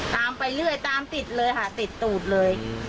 ไปเรื่อยตามติดเลยค่ะติดตูดเลย